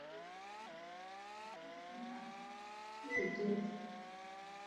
Uko na nguvu ya kaji sana